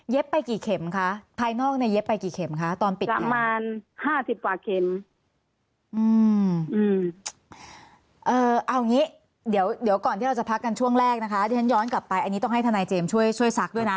เย็บไปกี่เข็มคะภายนอกที่เย็บไปกี่เฉมคะ